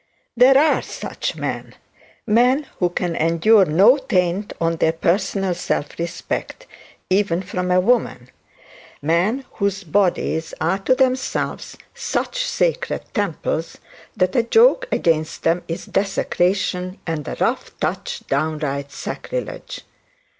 There are such men; men who can endure no taint on their personal self respect, even from a woman; men whose bodies are to themselves such sacred temples, that a joke against them is desecration, and a rough touch downright sacrilege.